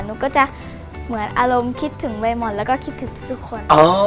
หนูก็จะเหมือนอารมณ์คิดถึงเวมอนแล้วก็คิดถึงทุกคน